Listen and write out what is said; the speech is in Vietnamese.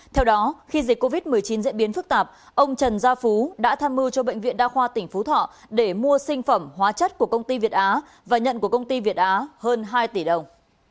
theo đó khi dịch covid một mươi chín diễn biến phức tạp ông trần gia phú đã tham mưu cho bệnh viện đa khoa tỉnh phú thọ để mua sinh phẩm hóa chất của công ty việt á và nhận của công ty việt á hơn hai tỷ đồng